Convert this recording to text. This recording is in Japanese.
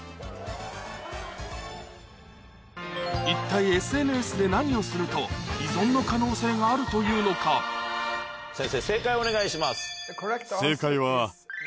一体ＳＮＳで何をすると依存の可能性があるというのか先生正解をお願いします。